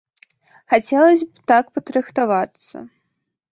Хацелася б так падрыхтавацца.